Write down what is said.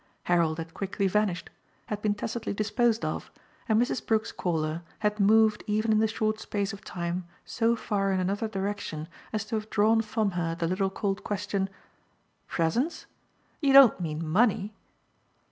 Harold had quickly vanished had been tacitly disposed of, and Mrs. Brook's caller had moved even in the short space of time so far in another direction as to have drawn from her the little cold question: "'Presents'? You don't mean money?"